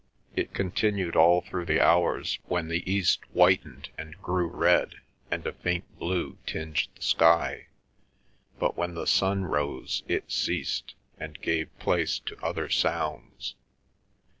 It continued all through the hours when the east whitened, and grew red, and a faint blue tinged the sky, but when the sun rose it ceased, and gave place to other sounds.